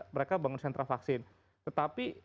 mereka bangun sentra vaksin tetapi